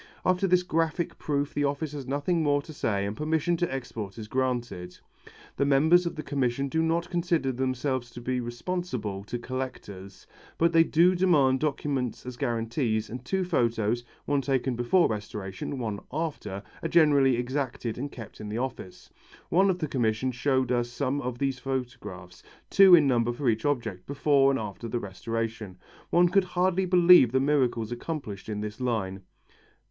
After this graphic proof the office has nothing more to say and permission to export is granted. The members of the Commission do not consider themselves to be responsible to collectors. But they do demand documents as guarantees, and two photos, one taken before restoration and one after, are generally exacted and kept in the office. One of the Commission showed us some of these photographs, two in number for each object, before and after the restoration. One could hardly believe the miracles accomplished in this line.